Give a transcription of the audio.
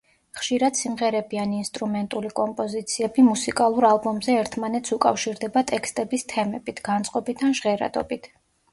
ხშირად სიმღერები ან ინსტრუმენტული კომპოზიციები მუსიკალურ ალბომზე ერთმანეთს უკავშირდება ტექსტების თემებით, განწყობით ან ჟღერადობით.